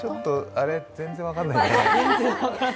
あれ、全然分からないな。